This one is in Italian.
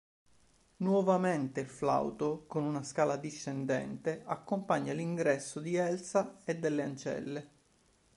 Nuovamente il flauto, con una scala discendente, accompagna l'ingresso di Elsa e delle ancelle.